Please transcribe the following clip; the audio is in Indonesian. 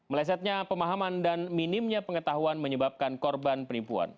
melesetnya pemahaman dan minimnya pengetahuan menyebabkan korban penipuan